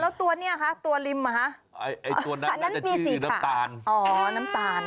แล้วตัวนี้คะตัวริมมั้ยคะตัวนั้นมีสีขาอ๋อน้ำตาลค่ะ